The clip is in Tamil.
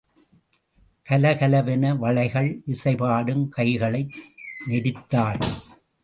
கலகலவென வளைகள் இசைபாடும் கைகளை நெரித்தாள்.